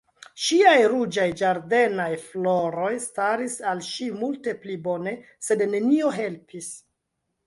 Ŝiaj ruĝaj ĝardenaj floroj staris al ŝi multe pli bone, sed nenio helpis.